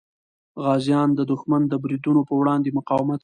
غازیان د دښمن د بریدونو په وړاندې مقاومت کوي.